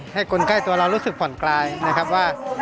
ให้คนใกล้ตัวเรารู้สึกผ่อนคลายนะครับว่า